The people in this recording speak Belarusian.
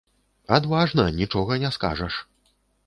Адважна, нічога не скажаш.